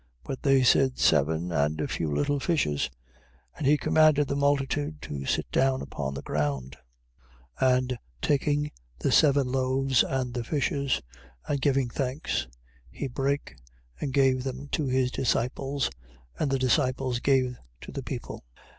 But they said: Seven, and a few little fishes. 15:35. And he commanded the multitude to sit down upon the ground. 15:36. And taking the seven loaves and the fishes, and giving thanks, he brake, and gave to his disciples, and the disciples gave to the people.